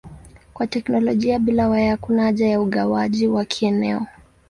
Kwa teknolojia bila waya hakuna haja ya ugawaji wa kieneo.